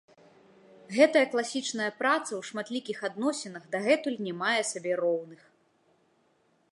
Гэтая класічная праца ў шматлікіх адносінах дагэтуль не мае сабе роўных.